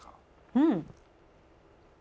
うん！